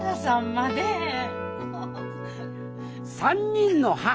３人の母